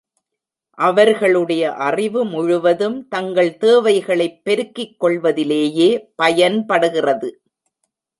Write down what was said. அவர்களுடைய அறிவு முழுதும் தங்கள் தேவைகளைப் பெருக்கிக் கொள்வதிலேயே பயன்படுகிறது.